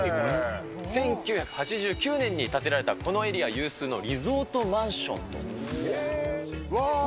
１９８９年に建てられた、このエリア有数のリゾートマンションということです。